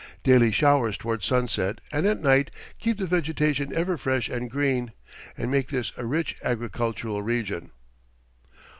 Daily showers toward sunset and at night keep the vegetation ever fresh and green, and make this a rich agricultural region.